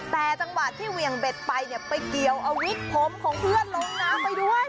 แต่จังหวะที่เหวี่ยงเบ็ดไปเนี่ยไปเกี่ยวเอาวิกผมของเพื่อนลงน้ำไปด้วย